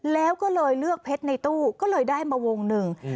แล้วก็เลยเลือกเพชรในตู้ก็เลยได้มาวงหนึ่ง